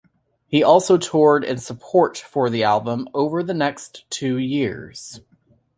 He also toured in support for the album over the next two years.